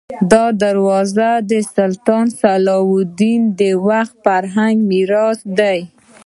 دا دروازه د سلطان صلاح الدین د وخت فرهنګي میراث دی.